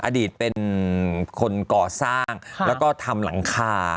อดีตเป็นคนก่อสร้างแล้วก็ทำหลังคา